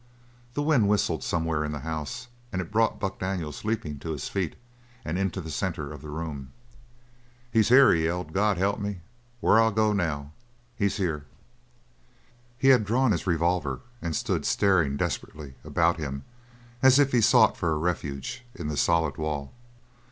The wind whistled somewhere in the house and it brought Buck Daniels leaping to his feet and into the centre of the room. "He's here!" he yelled. "God help me, where'll I go now! He's here!" He had drawn his revolver and stood staring desperately about him as if he sought for a refuge in the solid wall.